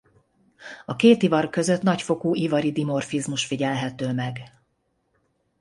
A két ivar között nagyfokú ivari dimorfizmus figyelhető meg.